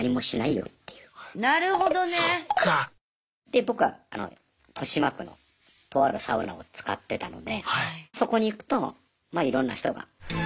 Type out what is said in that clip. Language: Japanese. で僕は豊島区のとあるサウナを使ってたのでそこに行くとまあいろんな人がやっぱりいて。